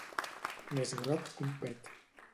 Més groc que un pet.